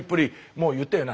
もう言ったよな？